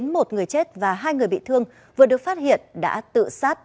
một người chết và hai người bị thương vừa được phát hiện đã tự sát